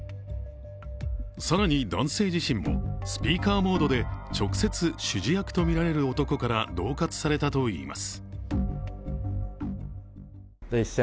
更に、男性自身もスピーカーモードで直接、指示役とみられる男からどう喝されたと言います。